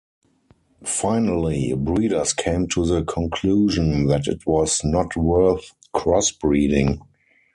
Finally breeders came to the conclusion that it was not worth crossbreeding.